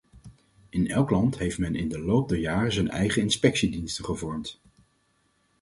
In elk land heeft men in de loop der jaren zijn eigen inspectiediensten gevormd.